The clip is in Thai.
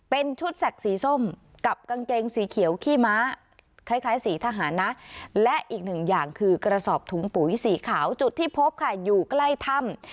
เป็นชุดแสกสีส้มกับกางเกงสีเขียวขี้ม้าคล้ายสีทหารนะและอีกหนึ่งอย่างคือกระสอบถุงปุ๋ยสีขาวจุดที่พบค่ะอยู่ใกล้ถ้ำ